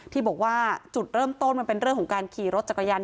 ที่บอกว่าจุดเริ่มต้นมันเป็นเรื่องของการขี่รถจักรยาน